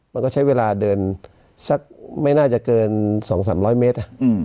มันก็ใช้เวลาเดินไม่น่าจะเกินสองสามร้อยเมตร